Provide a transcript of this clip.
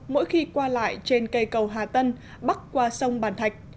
mỗi khi qua lại trên cây cầu hà tân bắc qua sông bàn thạch